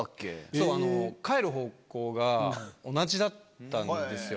そう帰る方向が同じだったんですよ